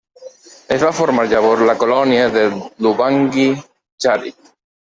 Es va formar llavors la colònia de l'Ubangui-Chari.